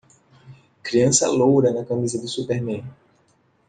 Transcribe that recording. Criança loura na camisa do superman.